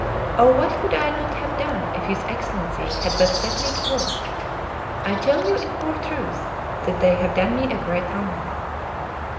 Oh, what could I not have done if his Excellency had but set me to work! I tell you in pure truth, that they have done me a great wrong!"